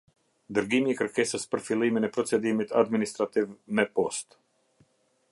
Dërgimi i kërkesës për fillimin e procedimit administrativ me postë.